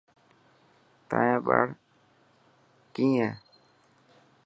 تايان ٻاڙ ڪئي هي.